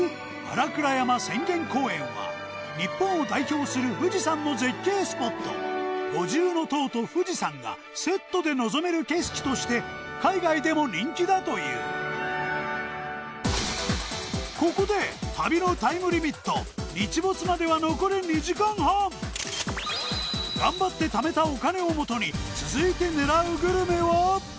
浅間公園は日本を代表する五重塔と富士山がセットで望める景色として海外でも人気だというここで旅のタイムリミット日没までは残り２時間半頑張ってためたお金をもとに続いて狙うグルメは？